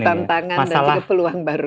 tantangan dan juga peluang baru